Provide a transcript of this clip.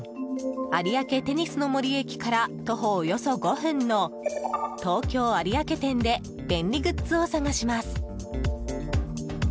有明テニスの森駅から徒歩およそ５分の東京有明店で便利グッズを探します。